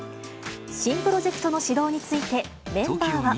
新プロジェクトの始動について、メンバーは。